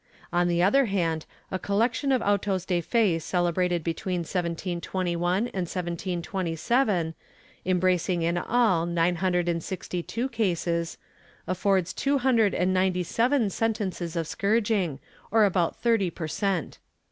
^ On the other hand, a collection of autos de fe celebrated between 1721 and 1727, embracing in all nine hundred and sixty two cases, affords two hundred and ninety seven sentences of scourging, or about thirty per cent.